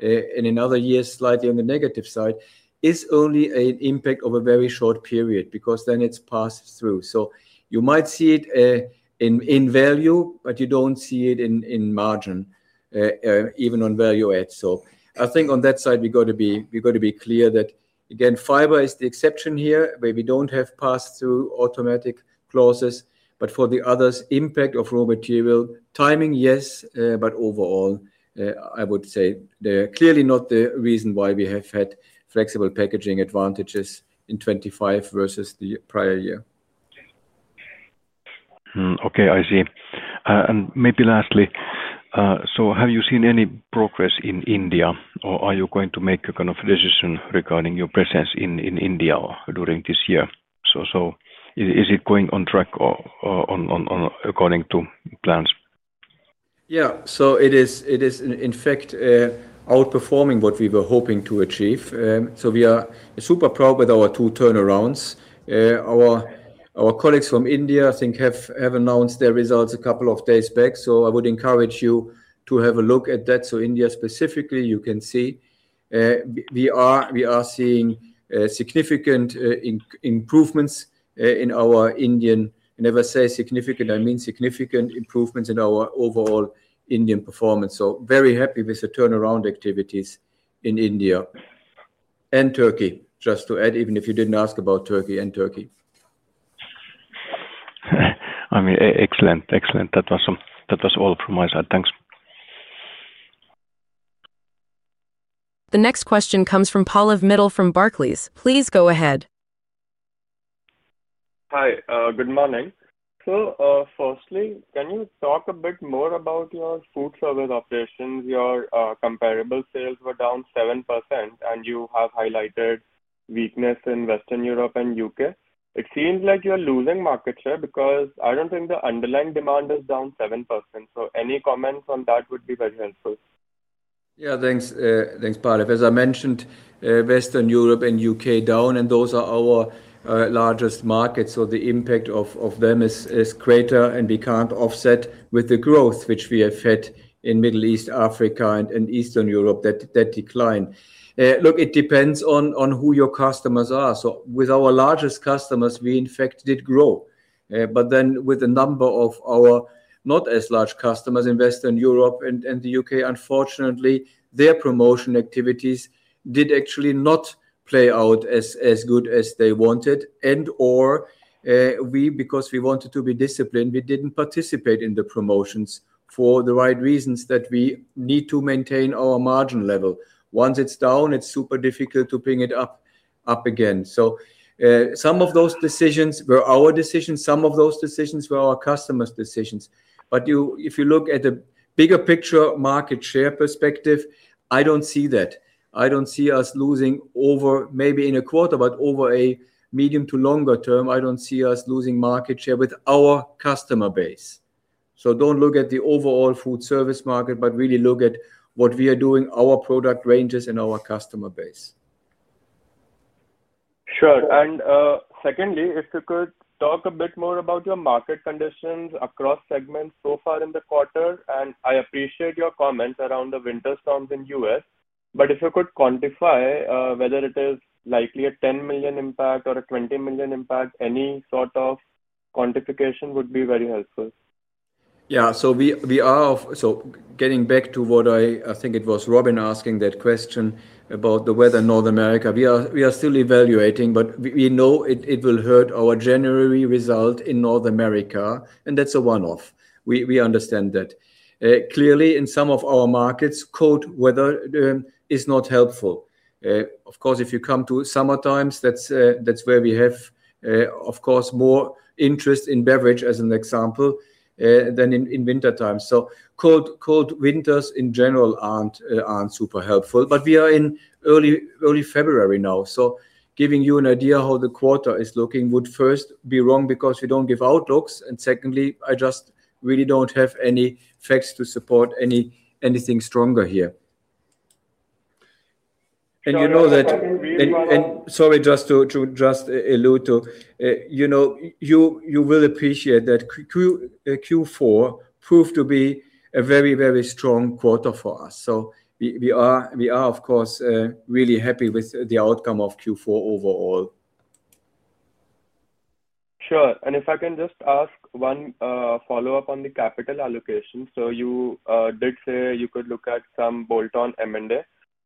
Speaker 2: and in other years, slightly on the negative side, is only an impact of a very short period, because then it's passed through. So you might see it in value, but you don't see it in margin, even on value add. So I think on that side, we've got to be, we've got to be clear that, again, Fiber is the exception here, where we don't have pass-through automatic clauses. But for the others, impact of raw material, timing, yes, but overall, I would say they're clearly not the reason why we have had Flexible Packaging advantages in 2025 versus the prior year.
Speaker 9: Okay, I see. And maybe lastly, so have you seen any progress in India, or are you going to make a kind of decision regarding your presence in India during this year? So, is it going on track or according to plans?
Speaker 2: Yeah. So it is, it is in fact, outperforming what we were hoping to achieve. So we are super proud with our two turnarounds. Our colleagues from India, I think, have announced their results a couple of days back, so I would encourage you to have a look at that. So India specifically, you can see, we are seeing significant improvements in our Indian... Whenever I say significant, I mean significant improvements in our overall Indian performance. So very happy with the turnaround activities in India and Turkey, just to add, even if you didn't ask about Turkey, and Turkey.
Speaker 9: I mean, excellent, excellent. That was, that was all from my side. Thanks.
Speaker 4: The next question comes from Pallav Mittal from Barclays. Please go ahead.
Speaker 10: Hi. Good morning. So, firstly, can you talk a bit more about your Foodservice operations? Your comparable sales were down 7%, and you have highlighted weakness in Western Europe and U.K. It seems like you're losing market share, because I don't think the underlying demand is down 7%, so any comments on that would be very helpful.
Speaker 2: Yeah, thanks. Thanks, Pallav. As I mentioned, Western Europe and U.K. down, and those are our largest markets, so the impact of them is greater, and we can't offset with the growth which we have had in Middle East, Africa, and in Eastern Europe that decline. Look, it depends on who your customers are. So with our largest customers, we in fact did grow. But then with a number of our not as large customers in Western Europe and the U.K., unfortunately, their promotion activities did actually not play out as good as they wanted, and/or we, because we wanted to be disciplined, we didn't participate in the promotions for the right reasons, that we need to maintain our margin level. Once it's down, it's super difficult to bring it up again. So, some of those decisions were our decisions, some of those decisions were our customers' decisions. But if you look at the bigger picture, market share perspective, I don't see that. I don't see us losing, maybe in a quarter, but over a medium to longer term, I don't see us losing market share with our customer base. So don't look at the overall Foodservice market, but really look at what we are doing, our product ranges and our customer base.
Speaker 10: Sure. And, secondly, if you could talk a bit more about your market conditions across segments so far in the quarter, and I appreciate your comments around the winter storms in U.S. But if you could quantify whether it is likely a 10 million impact or a 20 million impact, any sort of quantification would be very helpful.
Speaker 2: Yeah. So getting back to what I think it was Robin asking that question about the weather in North America. We are still evaluating, but we know it will hurt our January result in North America, and that's a one-off. We understand that. Clearly, in some of our markets, cold weather is not helpful. Of course, if you come to summertimes, that's where we have, of course, more interest in beverage, as an example, than in wintertime. So cold winters in general aren't super helpful, but we are in early February now. So giving you an idea how the quarter is looking would first be wrong, because we don't give outlooks, and secondly, I just really don't have any facts to support anything stronger here.
Speaker 10: Yeah, if I can really follow up...
Speaker 2: And you know that. And sorry, just to just allude to, you know, you will appreciate that Q4 proved to be a very, very strong quarter for us. So we are, of course, really happy with the outcome of Q4 overall.
Speaker 10: Sure. If I can just ask one follow-up on the capital allocation. You did say you could look at some bolt-on M&A,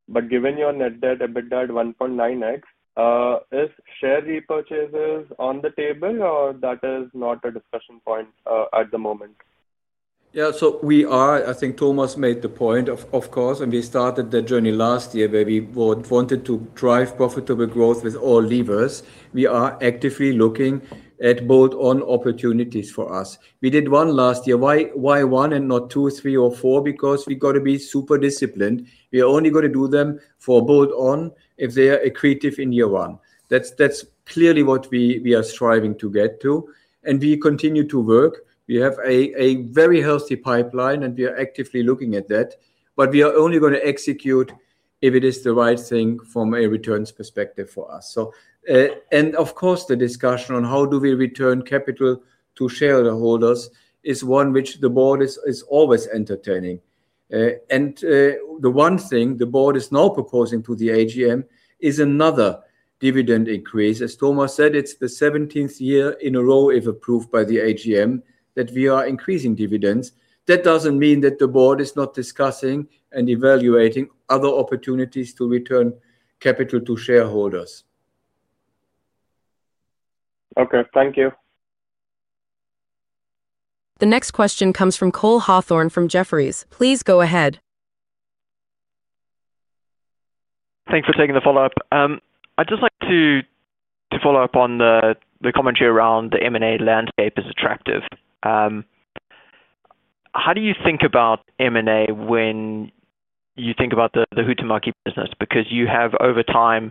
Speaker 10: but given your net debt, EBITDA at 1.9x, is share repurchases on the table, or that is not a discussion point at the moment?
Speaker 2: Yeah. So we are-- I think Thomas made the point, of course, and we started the journey last year where we wanted to drive profitable growth with all levers. We are actively looking at bolt-on opportunities for us. We did one last year. Why one and not two, three, or four? Because we got to be super disciplined. We are only going to do them for bolt-on if they are accretive in year one. That's clearly what we are striving to get to, and we continue to work. We have a very healthy pipeline, and we are actively looking at that, but we are only going to execute if it is the right thing from a returns perspective for us. So, and of course, the discussion on how do we return capital to shareholders is one which the board is always entertaining. The one thing the board is now proposing to the AGM is another dividend increase. As Thomas said, it's the seventeenth year in a row, if approved by the AGM, that we are increasing dividends. That doesn't mean that the board is not discussing and evaluating other opportunities to return capital to shareholders.
Speaker 10: Okay, thank you.
Speaker 4: The next question comes from Cole Hathorn from Jefferies. Please go ahead.
Speaker 8: Thanks for taking the follow-up. I'd just like to follow up on the commentary around the M&A landscape is attractive. How do you think about M&A when you think about the Huhtamäki business? Because you have, over time,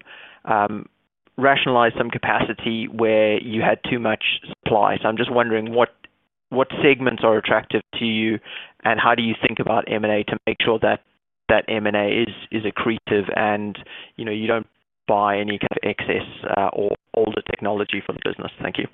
Speaker 8: rationalized some capacity where you had too much supply. So I'm just wondering what segments are attractive to you, and how do you think about M&A to make sure that M&A is accretive and, you know, you don't buy any kind of excess or older technology for the business? Thank you.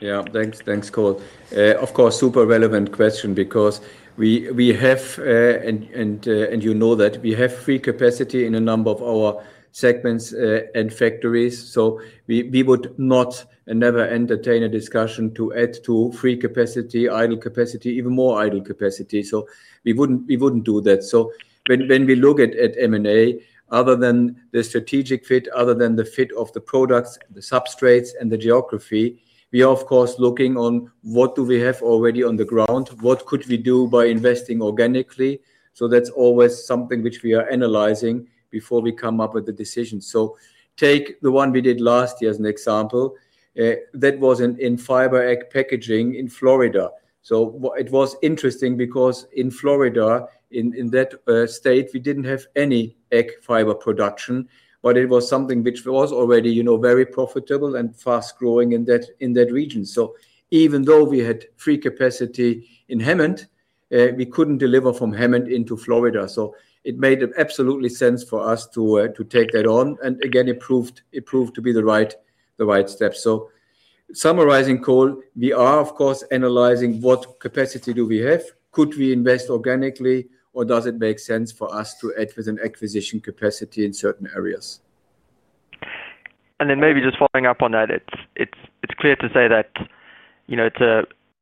Speaker 2: Yeah. Thanks. Thanks, Cole. Of course, super relevant question because we have, and you know that we have free capacity in a number of our segments, and factories, so we would not and never entertain a discussion to add to free capacity, idle capacity, even more idle capacity. So we wouldn't, we wouldn't do that. So when we look at M&A, other than the strategic fit, other than the fit of the products, the substrates, and the geography, we are, of course, looking on what do we have already on the ground? What could we do by investing organically? So that's always something which we are analyzing before we come up with a decision. So take the one we did last year as an example. That was in fiber egg packaging in Florida. So it was interesting because in Florida, in, in that state, we didn't have any egg fiber production, but it was something which was already, you know, very profitable and fast-growing in that, in that region. So even though we had free capacity in Hammond, we couldn't deliver from Hammond into Florida, so it made absolutely sense for us to take that on. And again, it proved, it proved to be the right, the right step. So summarizing, Cole, we are, of course, analyzing what capacity do we have? Could we invest organically, or does it make sense for us to add with an acquisition capacity in certain areas?
Speaker 8: And then maybe just following up on that, it's clear to say that, you know,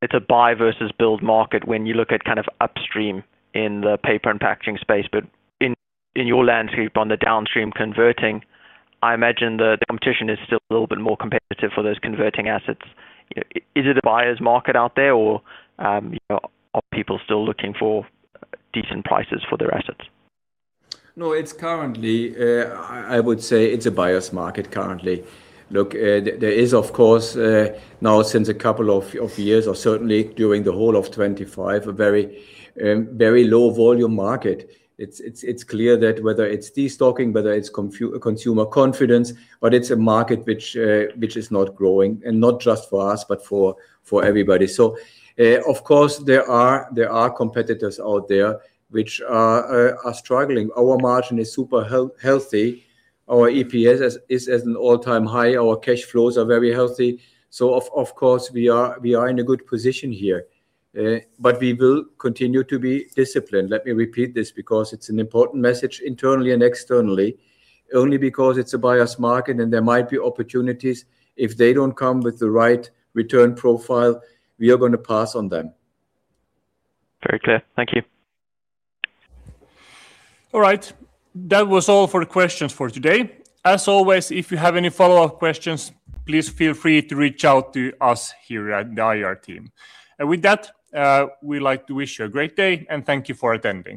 Speaker 8: it's a buy versus build market when you look at kind of upstream in the Paper and Packaging space. But in your landscape, on the downstream converting, I imagine that the competition is still a little bit more competitive for those converting assets. Is it a buyer's market out there or, you know, are people still looking for decent prices for their assets?
Speaker 2: No, it's currently. I would say it's a buyer's market currently. Look, there is, of course, now since a couple of years, or certainly during the whole of 2025, a very, very low volume market. It's clear that whether it's destocking, whether it's consumer confidence, but it's a market which is not growing, and not just for us, but for everybody. So, of course, there are competitors out there which are struggling. Our margin is super healthy. Our EPS is at an all-time high. Our cash flows are very healthy. So of course, we are in a good position here, but we will continue to be disciplined. Let me repeat this, because it's an important message internally and externally. Only because it's a buyer's market and there might be opportunities, if they don't come with the right return profile, we are going to pass on them.
Speaker 8: Very clear. Thank you.
Speaker 1: All right. That was all for the questions for today. As always, if you have any follow-up questions, please feel free to reach out to us here at the IR team. And with that, we'd like to wish you a great day, and thank you for attending.